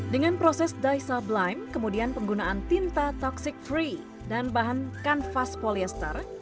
dengan proses dye sublime kemudian penggunaan tinta toxic free dan bahan canvas polyester